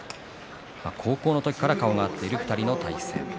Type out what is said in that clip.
高校の時から顔が合っている２人の対戦。